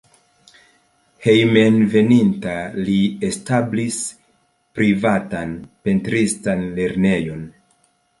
Hejmenveninta li establis privatan pentristan lernejon.